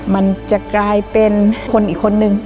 มันจะกลายเป็นคนอีกคนนึง